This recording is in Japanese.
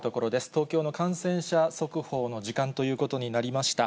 東京の感染者速報の時間ということになりました。